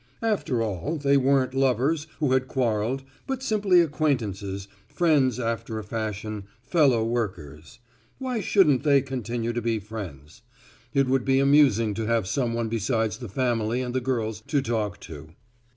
After all they weren't lovers who had quarreled, but simply acquaintances, friends after a fashion, fellow workers. Why shouldn't they continue to be friends? It would be amusing to have some one besides the family and the girls to talk to.